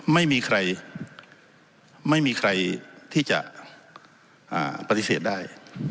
ไม่มีใครที่จะปฏิเสธได้